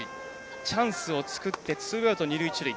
チャンスを作ってツーアウト、二塁、一塁。